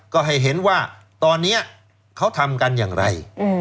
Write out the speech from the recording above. ก็ให้เห็นว่าตอนนี้เขาทำกันอย่างไร